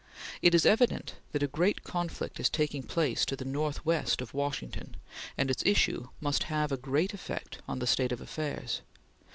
It is evident that a great conflict is taking place to the northwest of Washington, and its issue must have a great effect on the state of affairs.